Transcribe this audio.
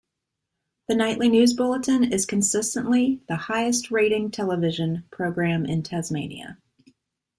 The nightly news bulletin is consistently the highest rating television program in Tasmania.